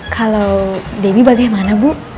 kalo demi bagaimana bu